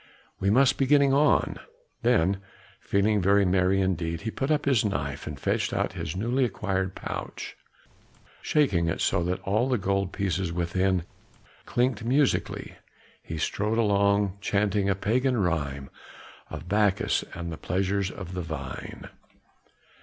We must be getting on." Then feeling very merry indeed, he put up his knife and fetched out his newly acquired pouch; shaking it so that all the gold pieces within clinked musically, he strode along, chanting a pagan rhyme of Bacchus and the pleasures of the vine.